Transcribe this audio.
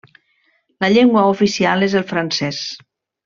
La llengua oficial és el francès.